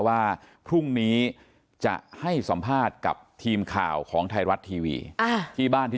ว่าพรุ่งนี้จะให้สัมภาษณ์กับทีมข่าวของไทยรัฐทีวีที่บ้านที่